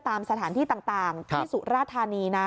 ตามสถานที่ต่างที่สุราธานีนะ